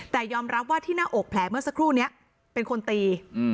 แต่ยอมรับว่าที่หน้าอกแผลเมื่อสักครู่นี้เป็นคนตี